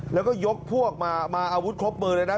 แล้วก็ยกพวกมามาอาวุธครบมือเลยนะ